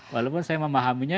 walaupun saya memahaminya